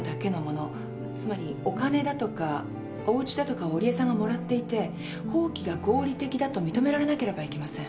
つまりお金だとかおウチだとかを織江さんがもらっていて放棄が合理的だと認められなければいけません。